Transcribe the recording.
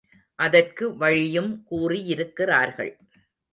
அதற்கு வழியும் கூறியிருக்கிறார்கள்.